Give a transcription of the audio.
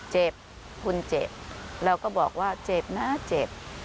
เจ็บคุณเจ็บเราก็บอกว่าเจ็บนะเจ็บ